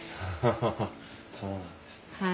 ハハハそうなんですね。